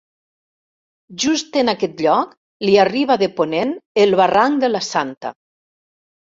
Just en aquest lloc li arriba de ponent el barranc de la Santa.